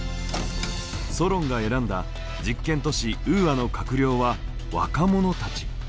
ソロンが選んだ実験都市ウーアの閣僚は若者たち。